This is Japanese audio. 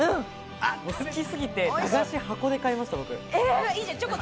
好きすぎて駄菓子、箱で買いました。